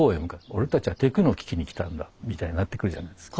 「俺たちはテクノを聴きに来たんだ」みたいになってくるじゃないですか。